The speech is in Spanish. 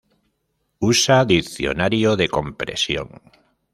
Usa diccionario de compresión.